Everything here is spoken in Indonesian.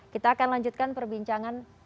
kita akan lanjutkan perbincangan